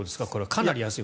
かなり安い？